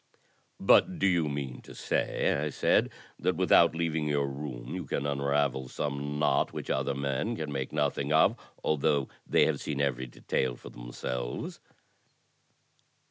"But do you mean to say," I said, "that without leaving your room you can unravel some knot which other men can make nothing of, although they have seen every detail for themselves?"